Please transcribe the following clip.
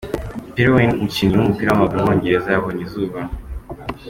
Peter Winn, umukinnyi w’umupira w’amaguru w’umwongereza yabonye izuba.